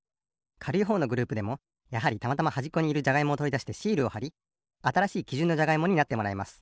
かるいほうのグループでもやはりたまたまはじっこにいるじゃがいもをとりだしてシールをはりあたらしいきじゅんのじゃがいもになってもらいます。